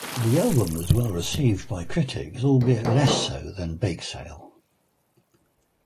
The album was well received by critics, albeit less so than "Bakesale".